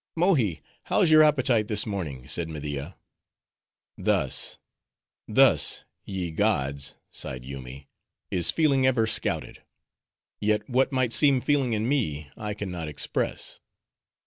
"Mohi, how's your appetite this morning?" said Media. "Thus, thus, ye gods," sighed Yoomy, "is feeling ever scouted. Yet, what might seem feeling in me, I can not express."